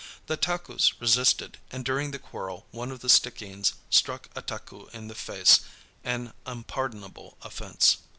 The Takus resisted, and during the quarrel one of the Stickeens struck a Taku in the face—an unpardonable offense.